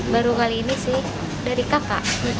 baru kali ini sih dari kakak